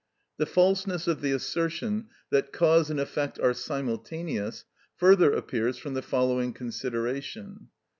The falseness of the assertion that cause and effect are simultaneous further appears from the following consideration.